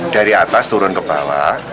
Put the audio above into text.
dari atas turun ke bawah